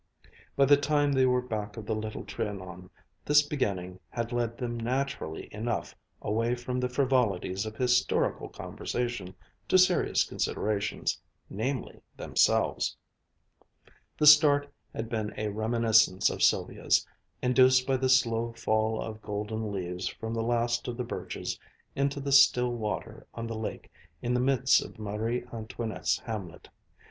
By the time they were back of the Little Trianon, this beginning had led them naturally enough away from the frivolities of historical conversation to serious considerations, namely themselves. The start had been a reminiscence of Sylvia's, induced by the slow fall of golden leaves from the last of the birches into the still water of the lake in the midst of Marie Antoinette's hamlet.